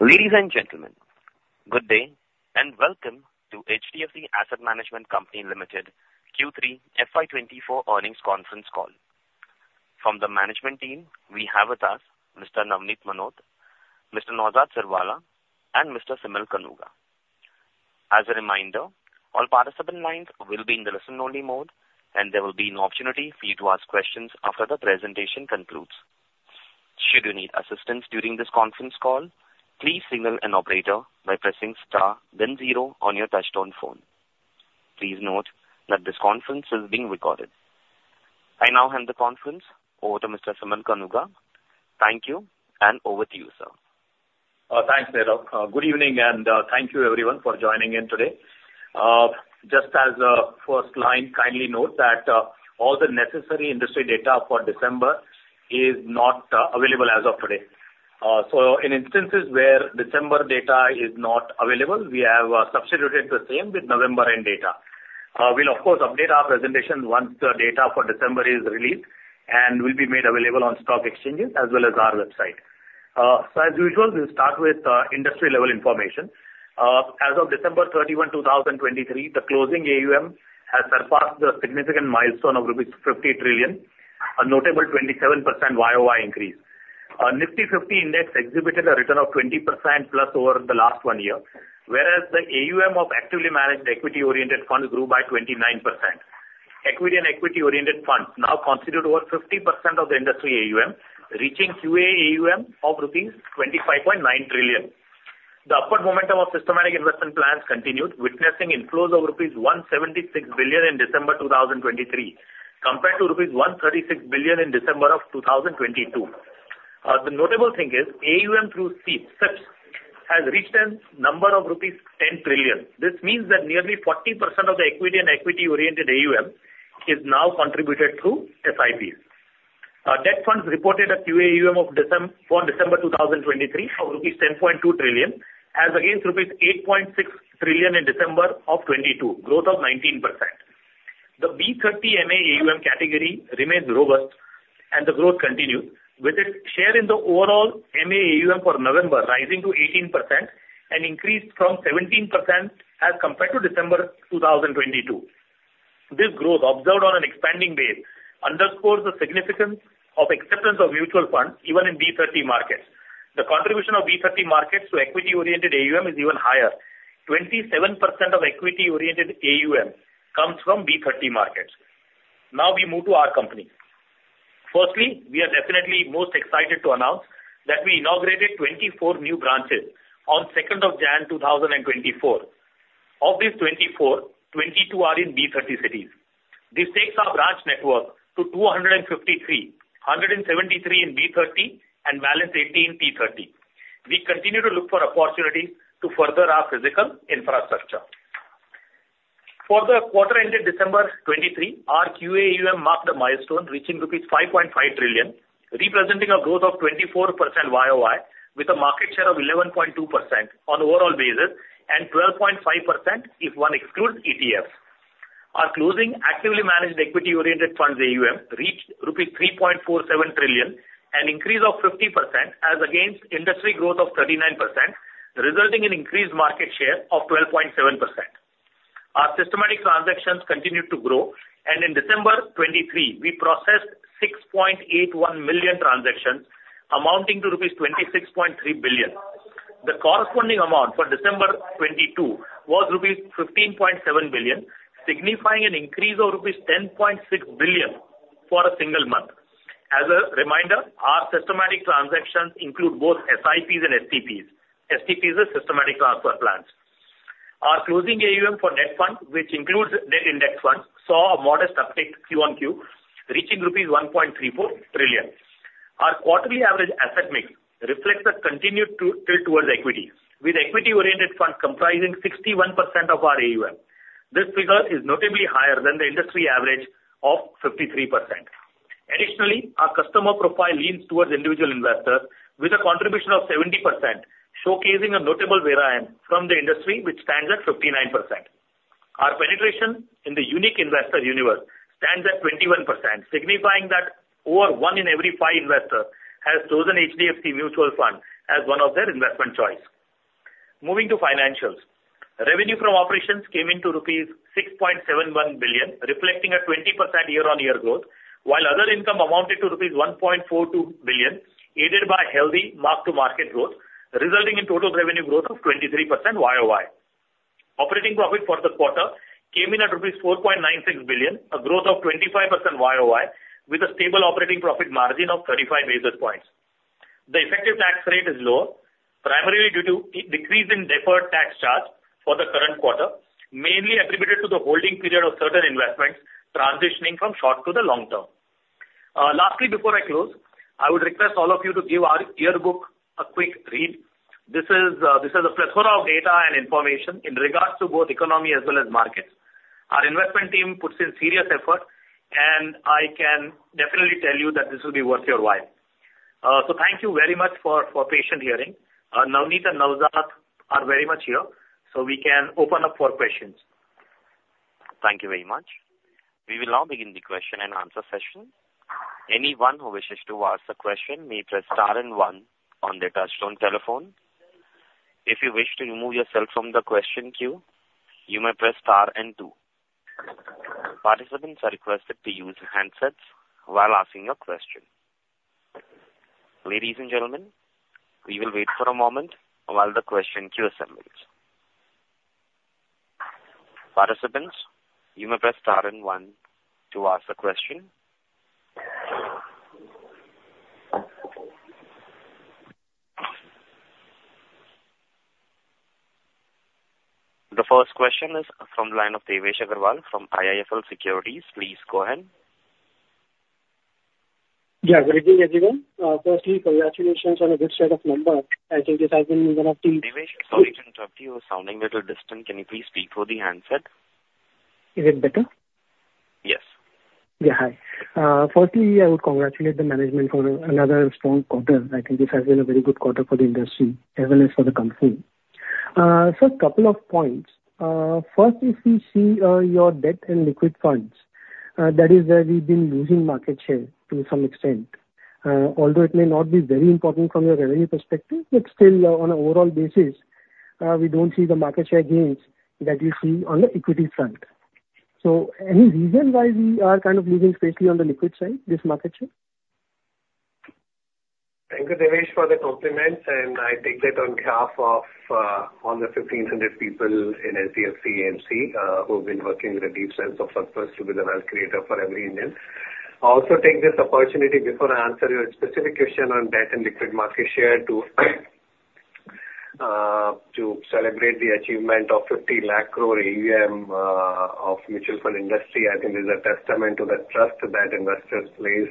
Ladies and gentlemen, good day, and welcome to HDFC Asset Management Company Limited Q3 FY '24 earnings conference call. From the management team, we have with us Mr. Navneet Munot, Mr. Naozad Sirwalla, and Mr. Simal Kanuga. As a reminder, all participant lines will be in the listen-only mode, and there will be an opportunity for you to ask questions after the presentation concludes. Should you need assistance during this conference call, please signal an operator by pressing star then zero on your touchtone phone. Please note that this conference is being recorded. I now hand the conference over to Mr. Simal Kanuga. Thank you, and over to you, sir. Thanks, Nerav. Good evening, and thank you everyone for joining in today. Just as a first line, kindly note that all the necessary industry data for December is not available as of today. So in instances where December data is not available, we have substituted the same with November end data. We'll of course update our presentation once the data for December is released and will be made available on stock exchanges as well as our website. So as usual, we'll start with industry-level information. As of December 31, 2023, the closing AUM has surpassed a significant milestone of rupees 50 trillion, a notable 27% YOY increase. Nifty 50 index exhibited a return of 20%+ over the last one year, whereas the AUM of actively managed equity-oriented funds grew by 29%. Equity and equity-oriented funds now constitute over 50% of the industry AUM, reaching QAUM of rupees 25.9 trillion. The upward momentum of systematic investment plans continued, witnessing inflows of rupees 176 billion in December 2023, compared to rupees 136 billion in December 2022. The notable thing is AUM through SIPs has reached a number of rupees 10 trillion. This means that nearly 40% of the equity and equity-oriented AUM is now contributed through SIPs. Debt funds reported a QAUM for December 2023 of rupees 10.2 trillion, as against rupees 8.6 trillion in December 2022, growth of 19%. The B30 MA AUM category remains robust and the growth continued, with its share in the overall MA AUM for November rising to 18% and increased from 17% as compared to December 2022. This growth, observed on an expanding base, underscores the significance of acceptance of mutual funds even in B30 markets. The contribution of B30 markets to equity-oriented AUM is even higher. 27% of equity-oriented AUM comes from B30 markets. Now, we move to our company. Firstly, we are definitely most excited to announce that we inaugurated 24 new branches on second of January 2024. Of these 24, 22 are in B30 cities. This takes our branch network to 253, 173 in B30 and balance 18 in T30. We continue to look for opportunities to further our physical infrastructure. For the quarter ended December 2023, our QAUM marked a milestone, reaching rupees 5.5 trillion, representing a growth of 24% YOY, with a market share of 11.2% on overall basis and 12.5% if one excludes ETFs. Our closing actively managed equity-oriented funds AUM reached rupees 3.47 trillion, an increase of 50% as against industry growth of 39%, resulting in increased market share of 12.7%. Our systematic transactions continued to grow, and in December 2023, we processed 6.81 million transactions amounting to rupees 26.3 billion. The corresponding amount for December 2022 was rupees 15.7 billion, signifying an increase of rupees 10.6 billion for a single month. As a reminder, our systematic transactions include both SIPs and STPs. STPs are systematic transfer plans. Our closing AUM for net funds, which includes net index funds, saw a modest uptick Q1Q, reaching rupees 1.34 trillion. Our quarterly average asset mix reflects a continued tilt towards equity, with equity-oriented funds comprising 61% of our AUM. This figure is notably higher than the industry average of 53%. Additionally, our customer profile leans towards individual investors with a contribution of 70%, showcasing a notable variance from the industry, which stands at 59%. Our penetration in the unique investor universe stands at 21%, signifying that over one in every five investors has chosen HDFC Mutual Fund as one of their investment choice. Moving to financials. Revenue from operations came in to rupees 6.71 billion, reflecting a 20% year-on-year growth, while other income amounted to rupees 1.42 billion, aided by healthy mark-to-market growth, resulting in total revenue growth of 23% YOY. Operating profit for the quarter came in at INR 4.96 billion, a growth of 25% YOY, with a stable operating profit margin of 35 basis points. The effective tax rate is lower, primarily due to a decrease in deferred tax charge for the current quarter, mainly attributed to the holding period of certain investments transitioning from short to the long term. Lastly, before I close, I would request all of you to give our yearbook a quick read. This is a plethora of data and information in regards to both economy as well as markets. Our investment team puts in serious effort, and I can definitely tell you that this will be worth your while. So thank you very much for patient hearing. Navneet and Naozad are very much here, so we can open up for questions. Thank you very much. We will now begin the question and answer session. Anyone who wishes to ask a question may press star and one on their touchtone telephone. If you wish to remove yourself from the question queue, you may press star and two. Participants are requested to use handsets while asking a question. Ladies and gentlemen, we will wait for a moment while the question queue assembles. Participants, you may press star and one to ask a question. The first question is from the line of Devesh Agarwal from IIFL Securities. Please go ahead. Yeah, good evening, everyone. Firstly, congratulations on a good set of numbers. I think this has been one of the- Devesh, sorry to interrupt you. You're sounding a little distant. Can you please speak through the handset? Is it better? Yes. Yeah, hi. Firstly, I would congratulate the management for another strong quarter. I think this has been a very good quarter for the industry as well as for the company. So a couple of points. First, if we see your debt and liquid funds, that is where we've been losing market share to some extent. Although it may not be very important from a revenue perspective, but still, on an overall basis, we don't see the market share gains that we see on the equity front. So any reason why we are kind of losing space on the liquid side, this market share? Thank you, Devesh, for the compliments, and I take that on behalf of all the 1,500 people in HDFC AMC who've been working with a deep sense of purpose to be the wealth creator for every Indian. I also take this opportunity, before I answer your specific question on debt and liquid market share, to celebrate the achievement of 5,000,000 crore AUM of mutual fund industry. I think this is a testament to the trust that investors place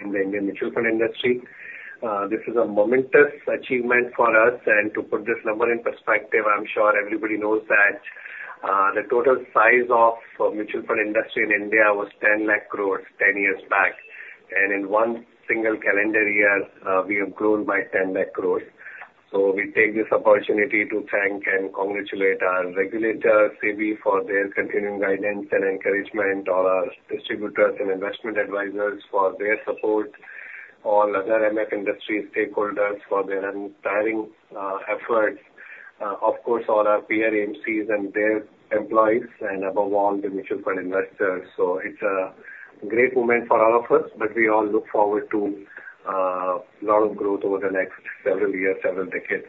in the Indian mutual fund industry. This is a momentous achievement for us. And to put this number in perspective, I'm sure everybody knows that the total size of mutual fund industry in India was 1,000,000 crore 10 years back, and in one single calendar year, we have grown by 1,000,000 crore. So we take this opportunity to thank and congratulate our regulator, SEBI, for their continuing guidance and encouragement, all our distributors and investment advisors for their support, all other AMF industry stakeholders for their untiring, efforts, of course, all our peer AMCs and their employees, and above all, the mutual fund investors. So it's a great moment for all of us, but we all look forward to, a lot of growth over the next several years, several decades.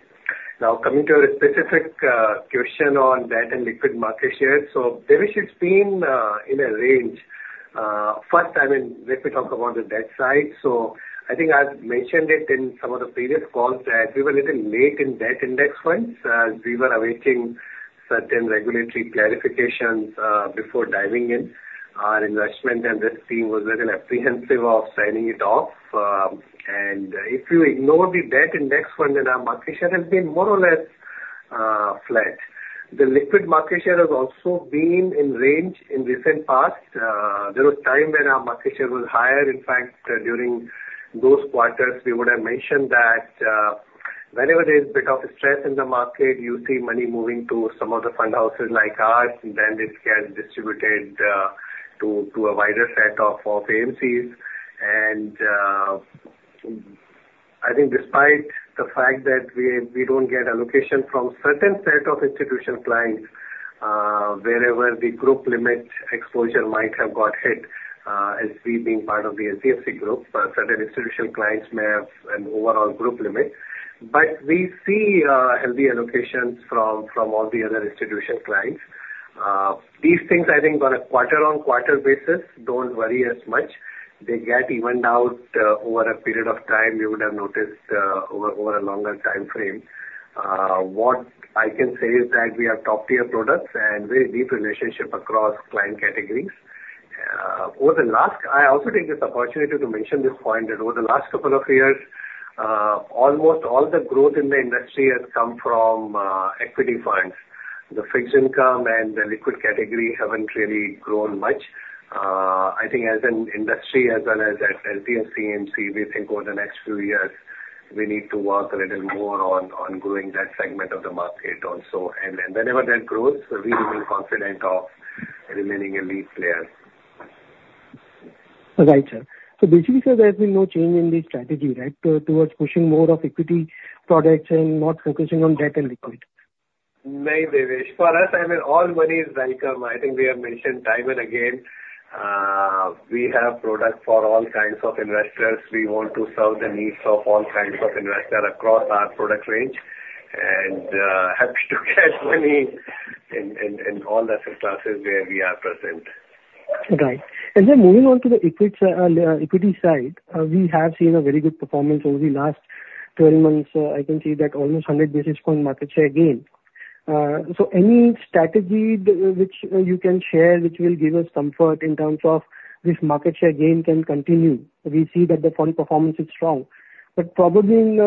Now, coming to your specific, question on debt and liquid market share. So Devesh, it's been, in a range. First, I mean, let me talk about the debt side. So I think I've mentioned it in some of the previous calls that we were little late in debt index funds, we were awaiting certain regulatory clarifications, before diving in. Our investment and risk team was very apprehensive of signing it off. If you ignore the debt index fund, then our market share has been more or less flat. The liquid market share has also been in range in recent past. There was time when our market share was higher. In fact, during those quarters, we would have mentioned that, whenever there's a bit of stress in the market, you see money moving to some of the fund houses like ours, and then it gets distributed to a wider set of AMCs. I think despite the fact that we don't get allocation from certain set of institutional clients, wherever the group limit exposure might have got hit, as we being part of the HDFC group, but certain institutional clients may have an overall group limit. But we see healthy allocations from all the other institutional clients. These things, I think, on a quarter-on-quarter basis, don't worry as much. They get evened out over a period of time. You would have noticed over a longer time frame. What I can say is that we are top-tier products and very deep relationship across client categories. Over the last... I also take this opportunity to mention this point that over the last couple of years, almost all the growth in the industry has come from equity funds. The fixed income and the liquid category haven't really grown much. I think as an industry, as well as at HDFC AMC, we think over the next few years, we need to work a little more on growing that segment of the market also. Whenever that grows, we remain confident of remaining a lead player. Right, sir. So basically, sir, there's been no change in the strategy, right? To, towards pushing more of equity products and not focusing on debt and liquid. No, Devesh. For us, I mean, all money is welcome. I think we have mentioned time and again, we have products for all kinds of investors. We want to serve the needs of all kinds of investors across our product range, and happy to catch money in all asset classes where we are present. Right. And then moving on to the equity side, we have seen a very good performance over the last 12 months. I can see that almost 100 basis point market share gain. So any strategy which you can share, which will give us comfort in terms of this market share gain can continue? We see that the fund performance is strong, but probably in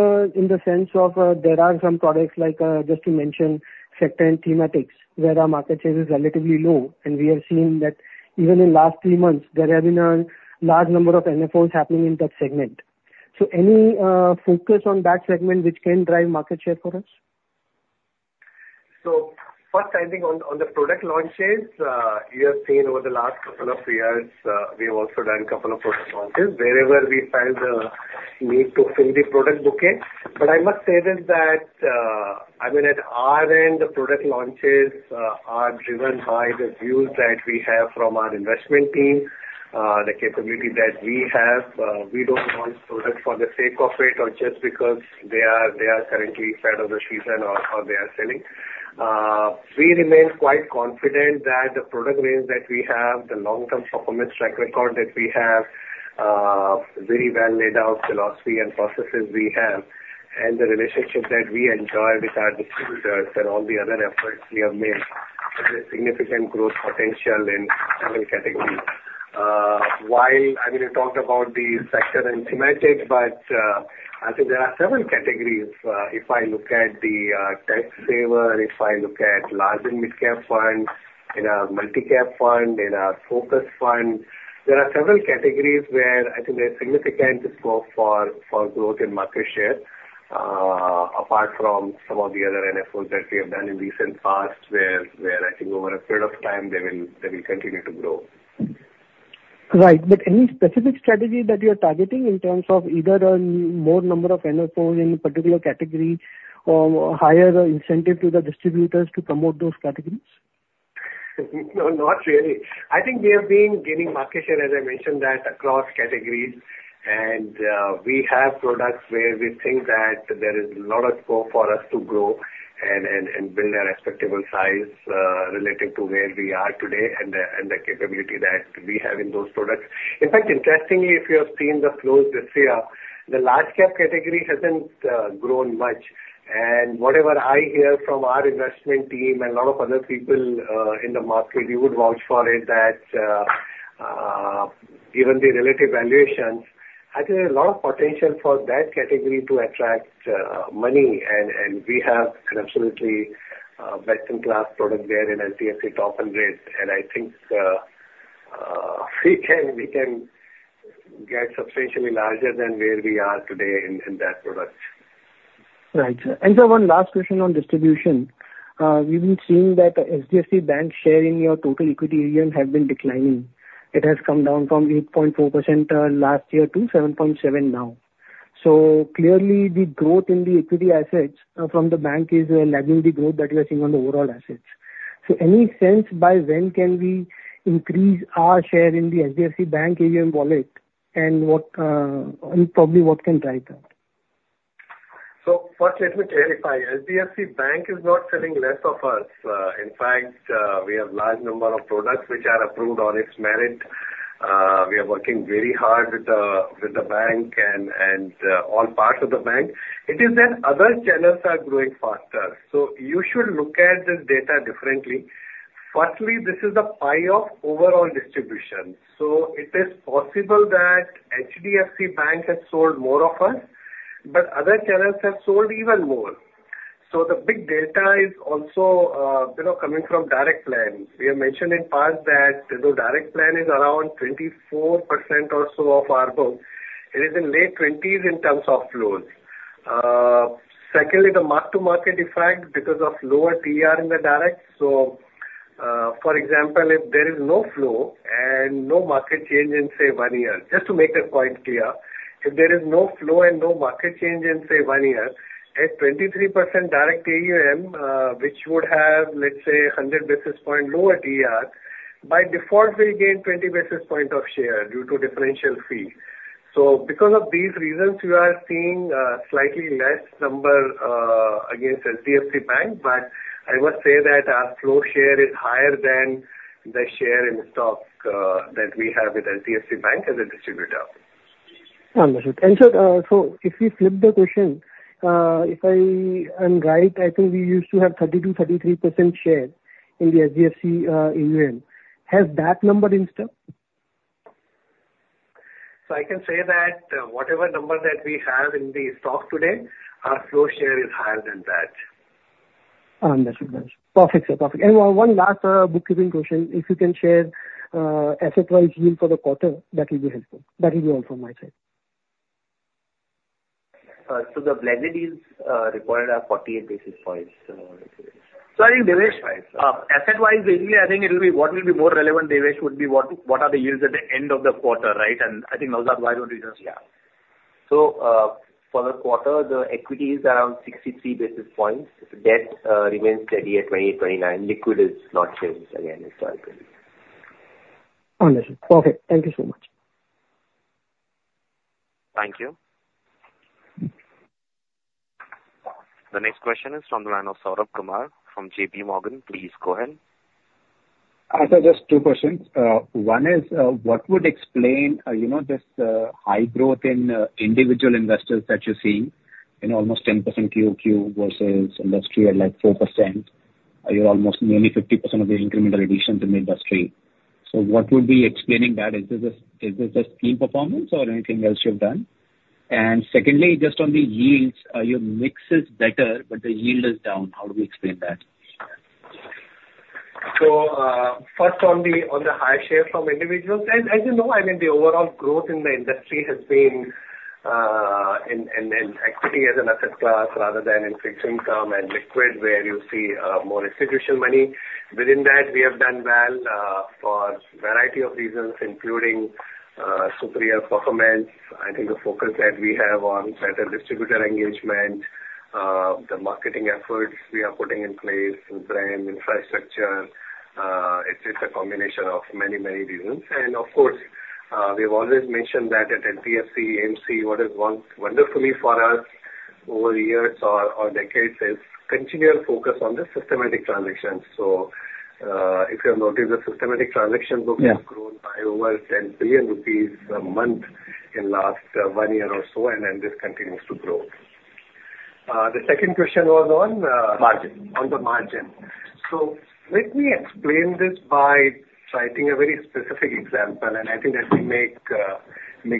the sense of, there are some products like, just to mention, sector and thematics, where our market share is relatively low. And we have seen that even in last three months, there have been a large number of NFOs happening in that segment. So any focus on that segment which can drive market share for us? So first, I think on the product launches, you have seen over the last couple of years, we have also done a couple of product launches wherever we find the need to fill the product bouquet. But I must say that, I mean, at our end, the product launches are driven by the views that we have from our investment team, the capability that we have. We don't want products for the sake of it or just because they are currently part of the season or they are selling. We remain quite confident that the product range that we have, the long-term performance track record that we have, very well laid out philosophy and processes we have, and the relationship that we enjoy with our distributors and all the other efforts we have made, have a significant growth potential in several categories. While, I mean, I talked about the sector and thematic, but, I think there are several categories, if I look at the tax saver, if I look at large and mid-cap funds, in a multi-cap fund, in our focus fund, there are several categories where I think there's significant scope for growth in market share, apart from some of the other NFOs that we have done in recent past, where I think over a period of time they will, they will continue to grow. Right. But any specific strategy that you're targeting in terms of either, more number of NFOs in a particular category or higher incentive to the distributors to promote those categories? No, not really. I think we have been gaining market share, as I mentioned, that across categories, and, we have products where we think that there is a lot of scope for us to grow and, and, and build a respectable size, relating to where we are today and the, and the capability that we have in those products. In fact, interestingly, if you have seen the flows this year, the large cap category hasn't, grown much. And whatever I hear from our investment team and a lot of other people, in the market, we would vouch for it that, given the relative valuations, I think there's a lot of potential for that category to attract, money. And, and we have an absolutely, best-in-class product there in HDFC Top 100. I think we can get substantially larger than where we are today in that product. Right. And so one last question on distribution. We've been seeing that HDFC Bank share in your total equity AUM have been declining. It has come down from 8.4% last year to 7.7% now. So clearly, the growth in the equity assets from the bank is lagging the growth that we are seeing on the overall assets. So any sense by when can we increase our share in the HDFC Bank AUM wallet? And what and probably what can drive that? So first, let me clarify. HDFC Bank is not selling less of us. In fact, we have large number of products which are approved on its merit. We are working very hard with the bank and all parts of the bank. It is that other channels are growing faster. So you should look at this data differently. Firstly, this is the pie of overall distribution, so it is possible that HDFC Bank has sold more of us, but other channels have sold even more. So the big data is also, you know, coming from direct plan. We have mentioned in past that the direct plan is around 24% or so of our book. It is in late 20s in terms of flows. Secondly, the Mark-to-Market effect because of lower TER in the direct. So, for example, if there is no flow and no market change in, say, one year, just to make the point clear, if there is no flow and no market change in, say, one year, at 23% direct AUM, which would have, let's say, 100 basis point lower TER, by default will gain 20 basis point of share due to differential fee. So because of these reasons, you are seeing, slightly less number, against HDFC Bank. But I must say that our flow share is higher than the share in stock, that we have with HDFC Bank as a distributor. Understood. And so, so if we flip the question, if I am right, I think we used to have 32, 33% share in the HDFC AUM. Has that number increased up? So I can say that, whatever number that we have in the stock today, our flow share is higher than that. Understood. Perfect, sir. Perfect. And one last, uh, bookkeeping question. If you can share, asset-wise yield for the quarter, that will be helpful. That will be all from my side. So the blended yields required are 48 basis points. So I think, Devesh, asset-wise, basically, I think it will be-- what will be more relevant, Devesh, would be what, what are the yields at the end of the quarter, right? And I think those are why don't you just- Yeah. So, for the quarter, the equity is around 63 basis points. Debt remains steady at 20.29. Liquid is not changed again, historically. Understood. Perfect. Thank you so much. Thank you. The next question is from the line of Saurabh Kumar from J.P. Morgan. Please go ahead. Sir, just two questions. One is, what would explain, you know, this, high growth in, individual investors that you're seeing in almost 10% QOQ versus industry at like 4%? You're almost nearly 50% of the incremental additions in the industry. So what would be explaining that? Is this a, is this a scheme performance or anything else you've done? And secondly, just on the yields, your mix is better, but the yield is down. How do we explain that? So, first on the higher share from individuals, and as you know, I mean, the overall growth in the industry has been in equity as an asset class, rather than in fixed income and liquid, where you see more institutional money. Within that, we have done well for a variety of reasons, including superior performance. I think the focus that we have on better distributor engagement, the marketing efforts we are putting in place and brand infrastructure, it's a combination of many reasons. And of course, we've always mentioned that at HDFC AMC, what has won wonderfully for us over years or decades is continual focus on the systematic transactions. So, if you have noticed, the systematic transaction books- Yeah. -have grown by over 10 billion rupees a month in last 1 year or so, and then this continues to grow. The second question was on, Margin. On the margin. So let me explain this by citing a very specific example, and I think that will make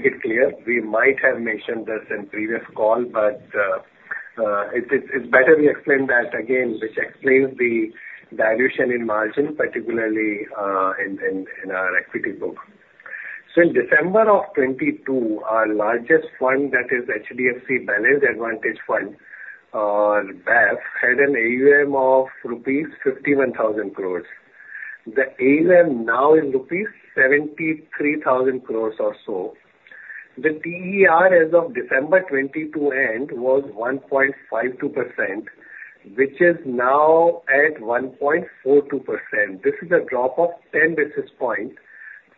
it clear. We might have mentioned this in previous call, but it's better we explain that again, which explains the dilution in margin, particularly in our equity book. So in December of 2022, our largest fund, that is HDFC Balanced Advantage Fund, BAF, had an AUM of rupees 51,000 crore. The AUM now is rupees 73,000 crore or so. The TER as of December 2022 end was 1.52%, which is now at 1.42%. This is a drop of ten basis points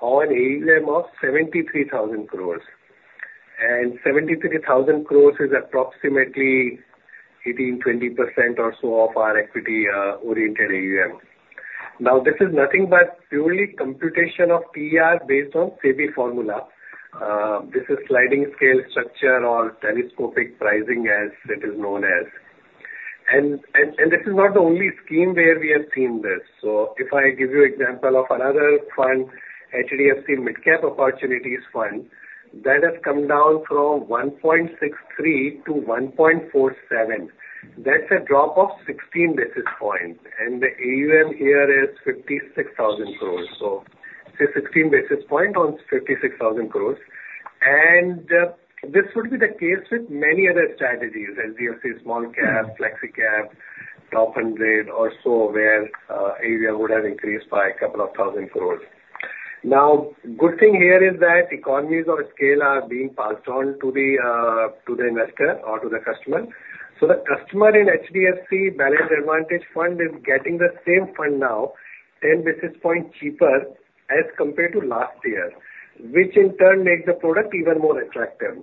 on AUM of 73,000 crore. And 73,000 crore is approximately 18-20% or so of our equity oriented AUM. Now, this is nothing but purely computation of TER based on SEBI formula. This is sliding scale structure or telescopic pricing, as it is known as. And this is not the only scheme where we have seen this. So if I give you example of another fund, HDFC Midcap Opportunities Fund, that has come down from 1.63 to 1.47. That's a drop of 16 basis points, and the AUM here is 56,000 crore. So say 16 basis point on 56,000 crore. And this would be the case with many other strategies, HDFC Small Cap, Flexi Cap, or so, where AUM would have increased by a couple of thousand crore. Now, good thing here is that economies of scale are being passed on to the investor or to the customer. So the customer in HDFC Balanced Advantage Fund is getting the same fund now, 10 basis points cheaper as compared to last year, which in turn makes the product even more attractive.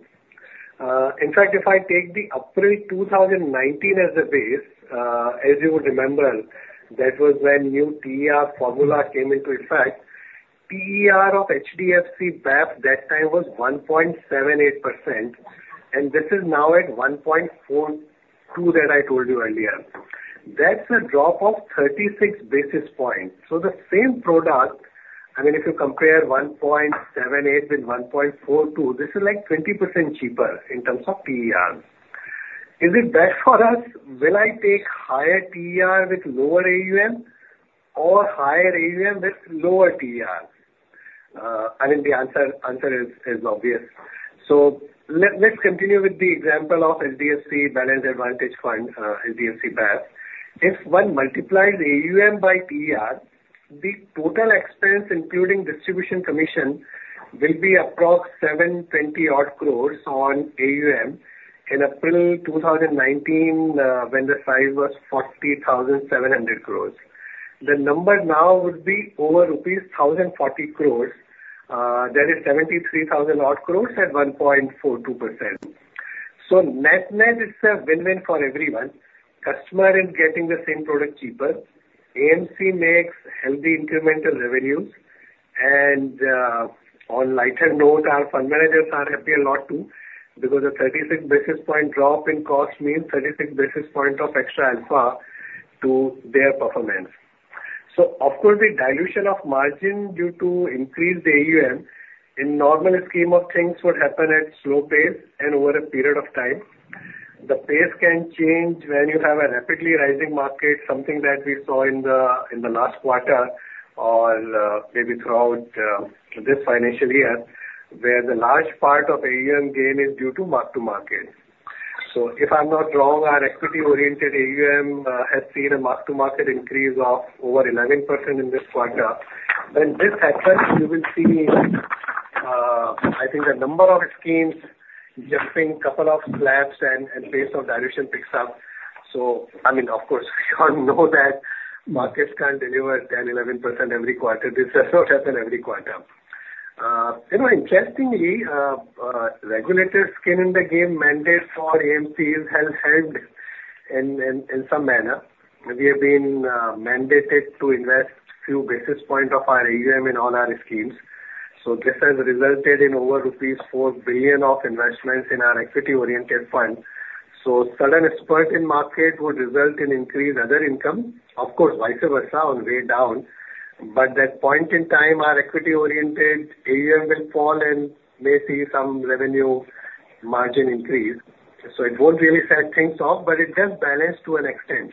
In fact, if I take the April 2019 as a base, as you would remember, that was when new TER formula came into effect. TER of HDFC BAF that time was 1.78%, and this is now at 1.42, that I told you earlier. That's a drop of 36 basis points. So the same product, I mean, if you compare 1.78 with 1.42, this is like 20% cheaper in terms of TER. Is it best for us? Will I take higher TER with lower AUM or higher AUM with lower TER? I think the answer is obvious. So let's continue with the example of HDFC Balanced Advantage Fund, HDFC BAF. If one multiplies AUM by TER, the total expense, including distribution commission, will be approx 720 crore on AUM in April 2019, when the size was 40,700 crore. The number now would be over rupees 1,040 crore, that is 73,000 crore at 1.42%. So net-net it's a win-win for everyone. Customer is getting the same product cheaper, AMC makes healthy incremental revenues, and, on a lighter note, our fund managers are happy a lot, too, because a 36 basis point drop in cost means 36 basis point of extra alpha to their performance. So of course, the dilution of margin due to increased AUM in normal scheme of things would happen at slow pace and over a period of time. The pace can change when you have a rapidly rising market, something that we saw in the last quarter or maybe throughout this financial year, where the large part of AUM gain is due to mark-to-market. So if I'm not wrong, our equity-oriented AUM has seen a mark-to-market increase of over 11% in this quarter. When this happens, you will see I think a number of schemes jumping couple of laps and pace of dilution picks up. So I mean, of course, we all know that markets can't deliver 10, 11% every quarter. This does not happen every quarter. You know, interestingly, regulator's skin-in-the-game mandate for AMCs has helped in some manner. We have been mandated to invest a few basis points of our AUM in all our schemes. So this has resulted in over rupees 4 billion of investments in our equity-oriented fund. So sudden spurt in market would result in increased other income, of course, vice versa on the way down. But that point in time, our equity-oriented AUM will fall and may see some revenue-margin increase, so it won't really set things off, but it does balance to an extent.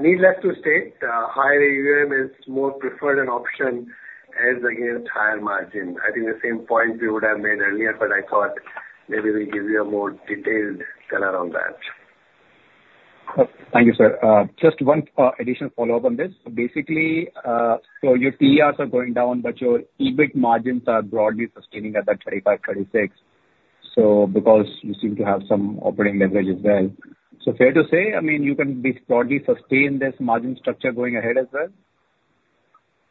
Needless to state, higher AUM is more preferred an option as against higher margin. I think the same point we would have made earlier, but I thought maybe we give you a more detailed color on that. Thank you, sir. Just one additional follow-up on this. So basically, so your TERs are going down, but your EBIT margins are broadly sustaining at that 35-36%. So because you seem to have some operating leverage as well. So fair to say, I mean, you can be broadly sustain this margin structure going ahead as well?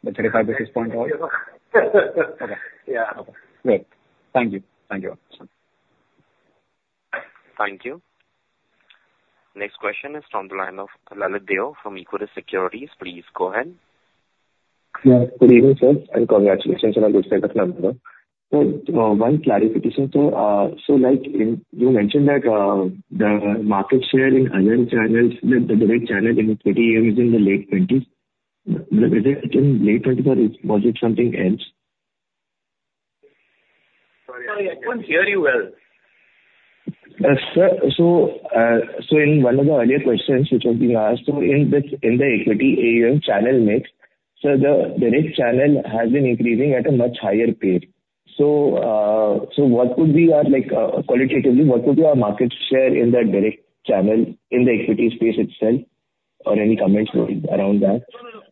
The 35 basis point out. Okay. Yeah. Great. Thank you. Thank you. Thank you. Next question is from the line of Lalit Deo from Kotak Securities. Please go ahead. Yeah, good evening, sir, and congratulations on a. [inaudible] So, one clarification. So, so like in, you mentioned that, the market share in other channels, the direct channel in [inaudible] is in the late twenties. Is it in late twenties or is, was it something else? Sorry, I can't hear you well. Sir, so in one of the earlier questions which have been asked, in the equity AUM channel mix, so the direct channel has been increasing at a much higher pace. So, what would be your like, qualitatively, what would be our market share in that direct channel, in the equity space itself? Or any comments around that? No, no, no.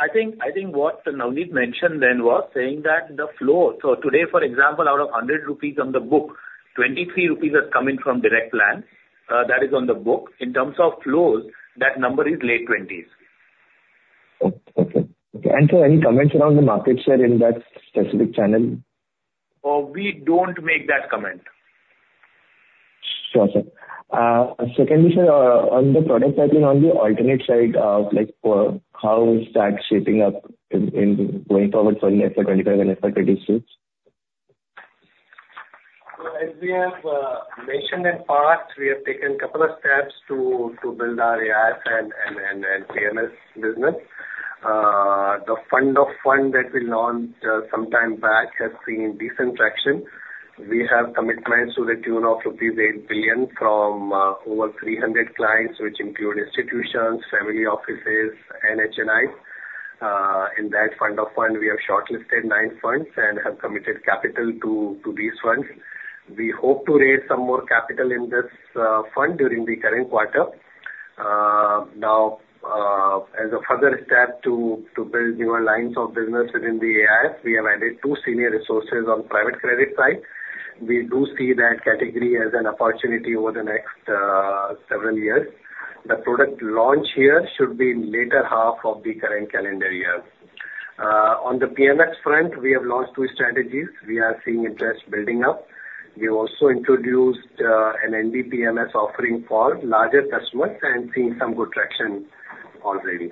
I think, I think what Navneet mentioned then was saying that the flow... So today, for example, out of 100 rupees on the book, 23 rupees is coming from direct plans. That is on the book. In terms of flows, that number is late twenties. Okay. Okay. And so any comments around the market share in that specific channel? We don't make that comment. Sure, sir. Secondly, sir, on the product side and on the alternative side, like for how is that shaping up in going forward for the FY 25 and FY 26? So as we have mentioned in past, we have taken a couple of steps to build our AIF and PMS business. The fund of fund that we launched sometime back has seen decent traction. We have commitments to the tune of rupees 8 billion from over 300 clients, which include institutions, family offices, HNIs. In that fund of fund, we have shortlisted nine funds and have committed capital to these funds. We hope to raise some more capital in this fund during the current quarter. Now, as a further step to build newer lines of business within the AIF, we have added two senior resources on private credit side. We do see that category as an opportunity over the next several years. The product launch here should be in later half of the current calendar year. On the PMS front, we have launched two strategies. We are seeing interest building up. We have also introduced an NDPMS offering for larger customers and seeing some good traction already.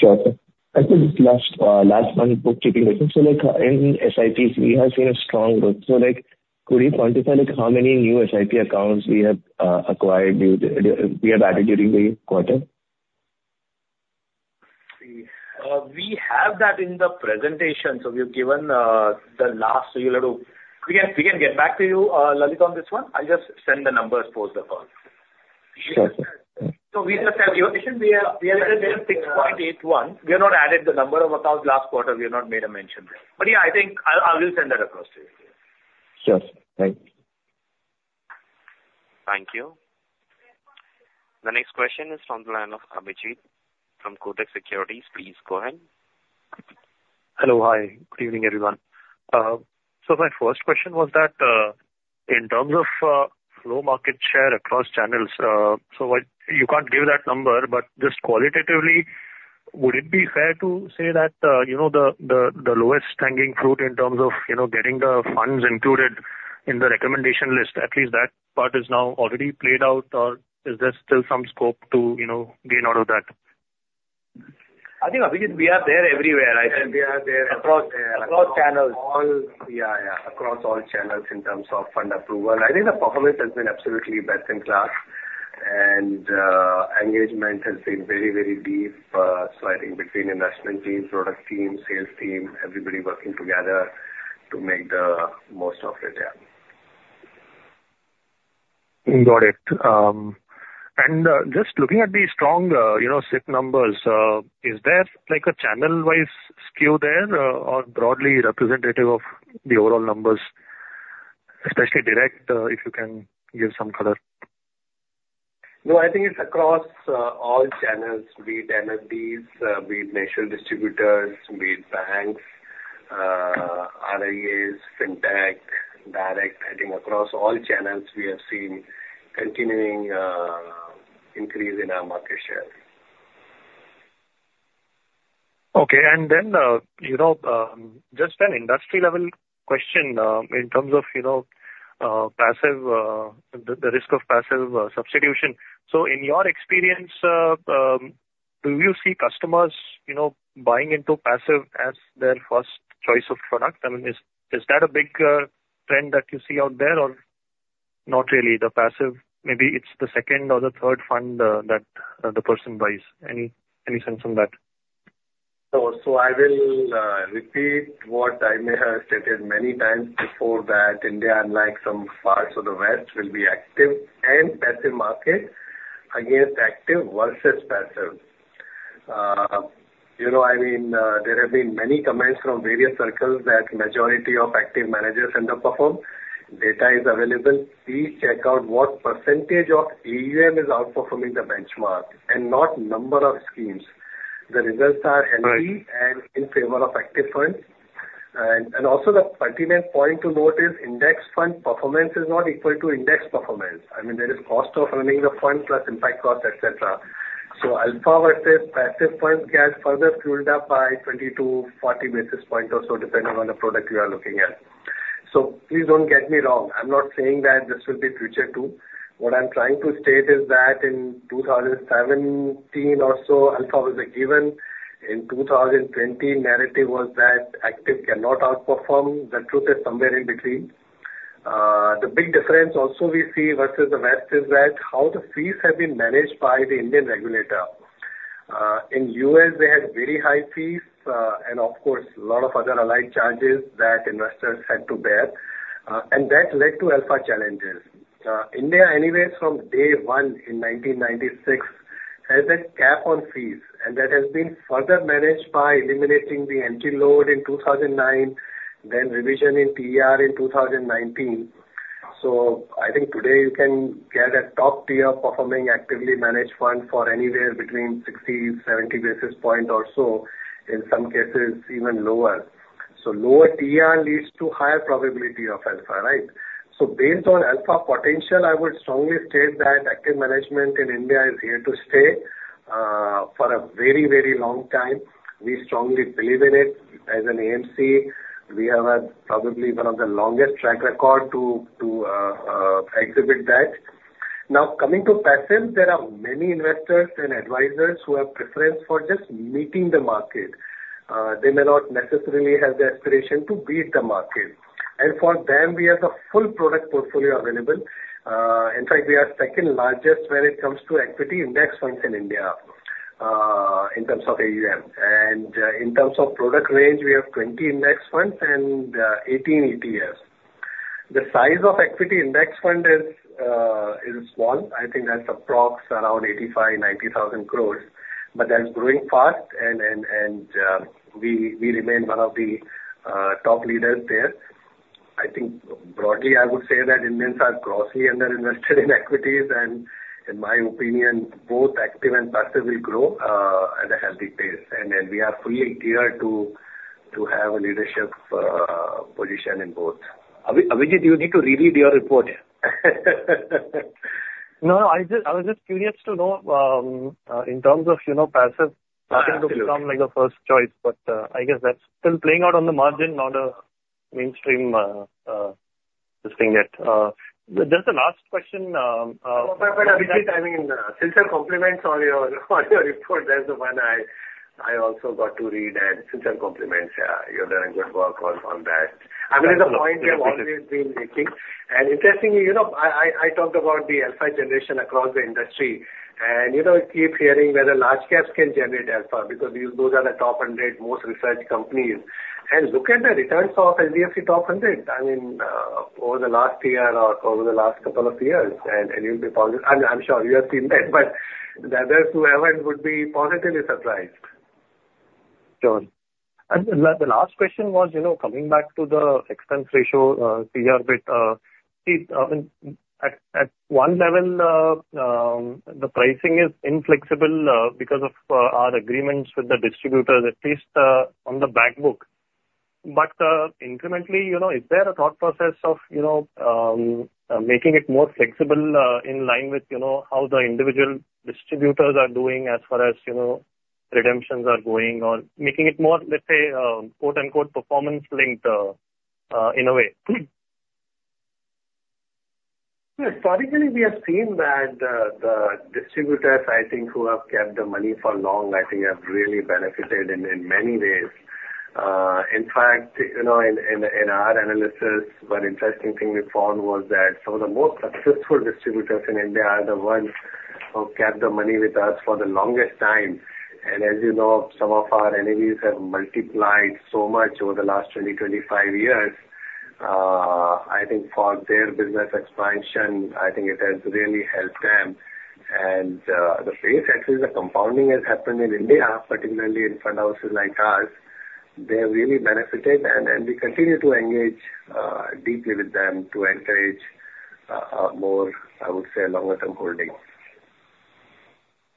Sure, sir. I think last month. So, like, in SIPs, we have seen a strong growth. So, like, could you quantify, like, how many new SIP accounts we have acquired during the, we have added during the quarter? We have that in the presentation. So we've given, the last, so you'll have to... We can, we can get back to you, Lalit, on this one. I'll just send the numbers post the call. Sure, sir. So we just have said 6.81. We have not added the number of accounts last quarter. We have not made a mention. But yeah, I think I will send that across to you. Sure. Thank you. Thank you. The next question is from the line of Abhijit from Kotak Securities. Please go ahead. Hello, hi. Good evening, everyone. So my first question was that, in terms of flow market share across channels, so what... You can't give that number, but just qualitatively, would it be fair to say that, you know, the, the, the lowest hanging fruit in terms of, you know, getting the funds included in the recommendation list, at least that part is now already played out, or is there still some scope to, you know, gain out of that? I think, Abhijit, we are there everywhere, I think. We are there across channels. All, yeah, yeah. Across all channels in terms of fund approval. I think the performance has been absolutely best in class, and engagement has been very, very deep, so I think between investment team, product team, sales team, everybody working together to make the most of it, yeah. Got it. And just looking at the strong, you know, SIP numbers, is there like a channel-wise skew there, or broadly representative of the overall numbers, especially direct, if you can give some color? No, I think it's across all channels, be it MFDs, be it national distributors, be it banks, RIAs, Fintech, direct. I think across all channels, we have seen continuing increase in our market share. Okay, and then, you know, just an industry-level question, in terms of, you know, passive, the risk of passive, substitution. So in your experience, do you see customers, you know, buying into passive as their first choice of product? I mean, is that a big, trend that you see out there or not really the passive? Maybe it's the second or the third fund, that, the person buys. Any sense on that? So, so I will repeat what I may have stated many times before, that India, unlike some parts of the West, will be active and passive market against active versus passive. You know, I mean, there have been many comments from various circles that majority of active managers underperform. Data is available. Please check out what percentage of AUM is outperforming the benchmark and not number of schemes. The results are empty- Right. And in favor of active funds. And, and also the pertinent point to note is index fund performance is not equal to index performance. I mean, there is cost of running the fund plus impact cost, et cetera. So alpha versus passive funds gets further fueled up by 20-40 basis points or so, depending on the product you are looking at. So please don't get me wrong, I'm not saying that this will be future, too. What I'm trying to state is that in 2017 or so, alpha was a given. In 2020, narrative was that active cannot outperform. The truth is somewhere in between. The big difference also we see versus the West is that how the fees have been managed by the Indian regulator. In U.S., they had very high fees, and of course, a lot of other allied charges that investors had to bear, and that led to alpha challenges. India, anyways, from day one in 1996, has a cap on fees, and that has been further managed by eliminating the entry load in 2009, then revision in TER in 2019. So I think today you can get a top-tier performing, actively managed fund for anywhere between 60-70 basis points or so, in some cases, even lower. So lower TER leads to higher probability of alpha, right? So based on alpha potential, I would strongly state that active management in India is here to stay, for a very, very long time. We strongly believe in it. As an AMC, we have probably one of the longest track record to exhibit that. Now, coming to passive, there are many investors and advisors who have preference for just meeting the market. They may not necessarily have the aspiration to beat the market, and for them, we have the full product portfolio available. In fact, we are second largest when it comes to equity index funds in India, in terms of AUM. In terms of product range, we have 20 index funds and 18 ETFs. The size of equity index fund is small. I think that's approx around 85,000-90,000 crore, but that's growing fast, and we remain one of the top leaders there. I think broadly, I would say that Indians are grossly underinvested in equities, and in my opinion, both active and passive will grow at a healthy pace. And we are fully geared to have a leadership position in both. Abhi-Abhijit, you need to reread your report. No, I just I was just curious to know, in terms of, you know, passive- Uh, absolutely. -looking to become like a first choice, but I guess that's still playing out on the margin, not a mainstream just thing yet. There's a last question- Oh, but, Abhijit, I mean, sincere compliments on your, on your report. That's the one I also got to read, and sincere compliments. Yeah, you're doing good work on, on that. Absolutely. I mean, it's a point we have always been making. And interestingly, you know, I talked about the alpha generation across the industry, and, you know, you keep hearing whether large caps can generate alpha, because these, those are the top hundred most researched companies. And look at the returns of HDFC Top 100, I mean, over the last year or over the last couple of years, and, and you'll be positive. I'm sure you have seen that, but the others who haven't would be positively surprised. Sure. And the last question was, you know, coming back to the expense ratio, TER bit, I mean, at one level, the pricing is inflexible, because of our agreements with the distributors, at least on the back book. But incrementally, you know, is there a thought process of, you know, making it more flexible, in line with, you know, how the individual distributors are doing as far as, you know, redemptions are going, or making it more, let's say, quote-unquote "Performance linked," in a way? Historically, we have seen that, the distributors, I think, who have kept the money for long, I think have really benefited in many ways. In fact, you know, in our analysis, one interesting thing we found was that some of the most successful distributors in India are the ones who kept the money with us for the longest time. And as you know, some of our AUMs have multiplied so much over the last 25 years. I think for their business expansion, I think it has really helped them. And, the pace at which the compounding has happened in India, particularly in fund houses like ours, they have really benefited, and we continue to engage deeply with them to encourage more, I would say, longer term holdings.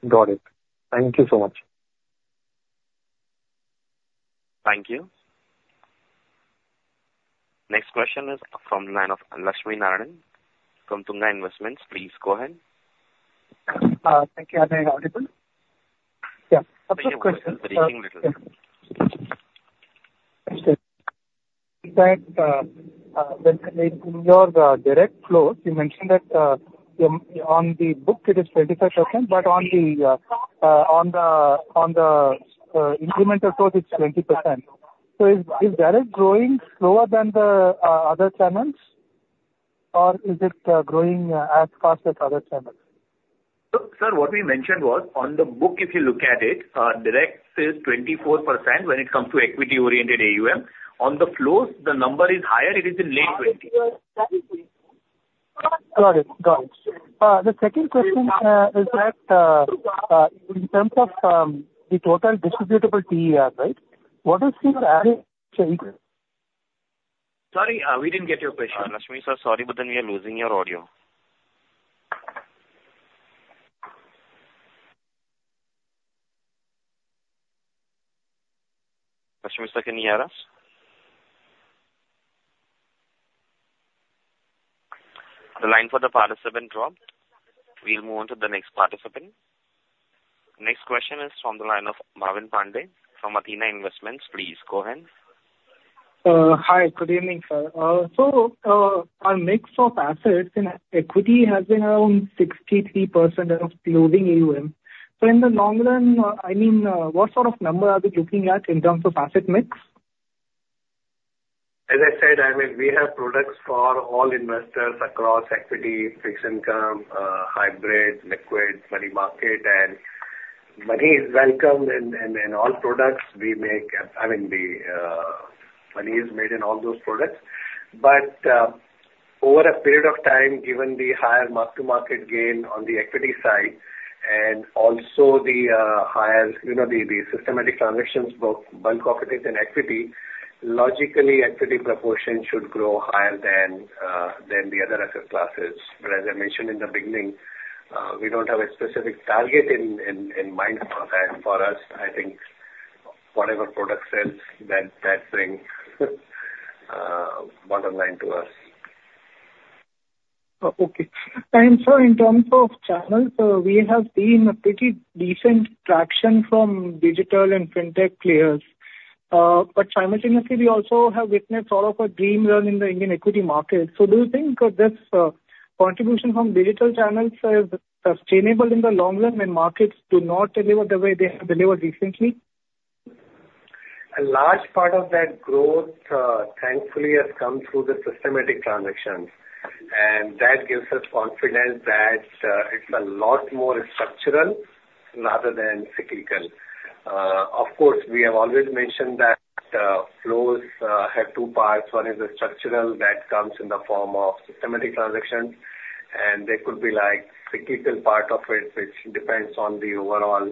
Got it. Thank you so much. Thank you. Next question is from the line of Lakshmi Narayanan from Tunga Investments. Please go ahead. Thank you. Am I audible? Yeah, first question. Breaking little bit. In fact, when in your direct flows, you mentioned that on the book it is 25%, but on the incremental flow, it's 20%. So is direct growing slower than the other channels, or is it growing as fast as other channels? Look, sir, what we mentioned was on the book, if you look at it, direct is 24% when it comes to equity-oriented AUM. On the flows, the number is higher, it is in late 20s. Got it. Got it. The second question is that in terms of the total distributable TER, right? What is the added change? Sorry, we didn't get your question. Lakshmi Sir, sorry, but then we are losing your audio. Lakshmi Sir, can you hear us? The line for the participant dropped. We'll move on to the next participant. Next question is from the line of Bhavin Pande from Athena Investments. Please go ahead. Hi, good evening, sir. So, our mix of assets in equity has been around 63% of closing AUM. So in the long run, I mean, what sort of number are we looking at in terms of asset mix? As I said, I mean, we have products for all investors across equity, fixed income, hybrid, liquid, money market, and money is welcome in, in, in all products we make. I mean, the, money is made in all those products. But, over a period of time, given the higher mark-to-market gain on the equity side and also the, higher, you know, the, the systematic transactions, both bulk profit and equity, logically, equity proportion should grow higher than, than the other asset classes. But as I mentioned in the beginning, we don't have a specific target in, in, in mind for that. For us, I think whatever product sells, that, that brings, bottom line to us. Oh, okay. And so in terms of channels, we have seen a pretty decent traction from digital and fintech players. But simultaneously, we also have witnessed sort of a dream run in the Indian equity market. So do you think, this contribution from digital channels is sustainable in the long run, when markets do not deliver the way they have delivered recently? A large part of that growth, thankfully, has come through the systematic transactions, and that gives us confidence that it's a lot more structural rather than cyclical. Of course, we have always mentioned that flows have two parts. One is the structural that comes in the form of systematic transactions, and there could be, like, cyclical part of it, which depends on the overall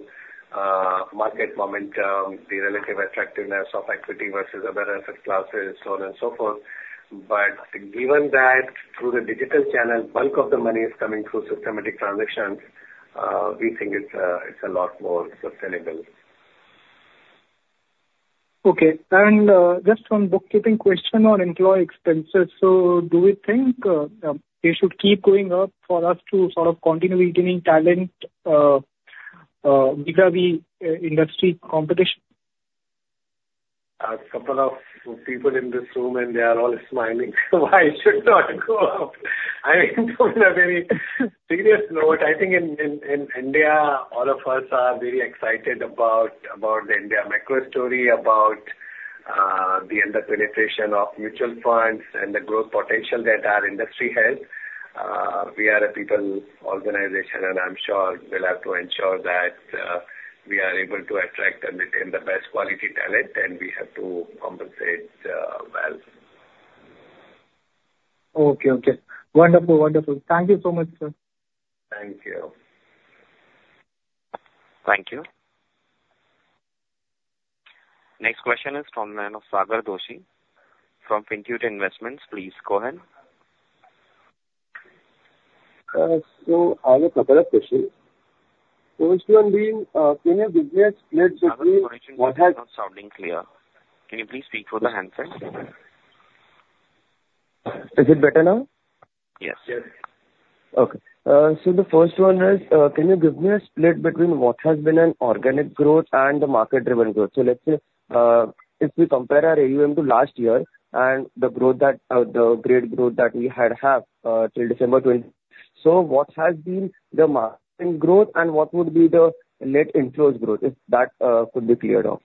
market momentum, the relative attractiveness of equity versus other asset classes, so on and so forth. But given that through the digital channel, bulk of the money is coming through systematic transactions, we think it's a lot more sustainable. Okay. Just one bookkeeping question on employee expenses. Do we think they should keep going up for us to sort of continue retaining talent vis-a-vis industry competition? A couple of people in this room, and they are all smiling. Why should not go up? I mean, on a very serious note, I think in India, all of us are very excited about the India macro story, about the under-penetration of mutual funds and the growth potential that our industry has. We are a people organization, and I'm sure we'll have to ensure that we are able to attract and retain the best quality talent, and we have to compensate well. Okay. Okay. Wonderful. Wonderful. Thank you so much, sir. Thank you. Thank you. Next question is from Sagar Doshi from Finroute Investments. Please go ahead. So I have a couple of questions. First one being, can you give me a split between what has- Sorry, you are not sounding clear. Can you please speak through the handset? Is it better now? Yes. Okay. So the first one is, can you give me a split between what has been an organic growth and the market-driven growth? So let's say, if we compare our AUM to last year and the growth that, the great growth that we had had, till December 2020. So what has been the market growth and what would be the net inflows growth, if that could be cleared off,